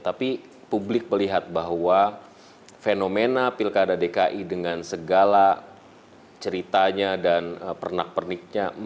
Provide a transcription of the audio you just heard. tapi publik melihat bahwa fenomena pilkada dki dengan segala ceritanya dan pernak perniknya